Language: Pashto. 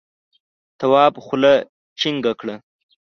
تواب خوله جینگه کړه.